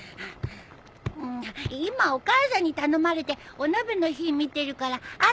今お母さんに頼まれてお鍋の火見てるから後でね。